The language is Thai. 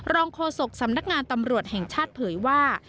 โฆษกสำนักงานตำรวจแห่งชาติเผยว่า